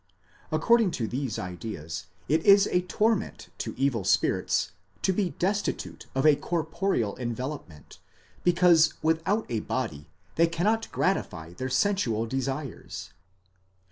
According to these ideas it isa torment to evil spirits to be destitute of a corporeal envelopment, because without a body they cannot gratify their sensual desires